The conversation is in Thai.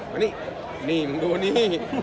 มามานี่มึงดูนนี่